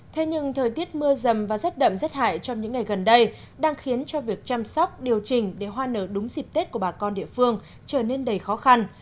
thế nhưng thời tiết mưa dầm và rét đậm rét hại trong những ngày gần đây đang khiến cho việc chăm sóc điều chỉnh để hoa nở đúng dịp tết của bà con địa phương trở nên đầy khó khăn